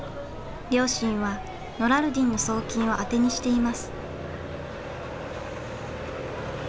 両親はノラルディンの送金を当てにしています。